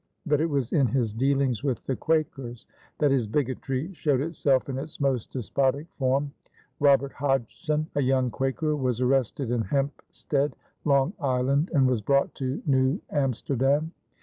But it was in his dealings with the Quakers that his bigotry showed itself in its most despotic form. Robert Hodgson, a young Quaker, was arrested in Hempstead, Long Island, and was brought to New Amsterdam.